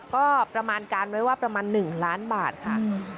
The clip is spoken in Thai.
ก็ประมาณการไว้ว่าประมาณ๑ล้านบาทค่ะ